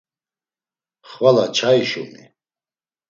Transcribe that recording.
Xvala çai şumi?